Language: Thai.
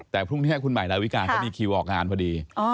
แต่พรุ่งที่ให้คุณหมายนาวิการก็มีคิวออกงานพอดี